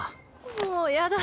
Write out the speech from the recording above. もうやだ。